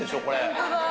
本当だ。